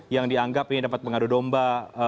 yang dianggap ini dapat mengadu domba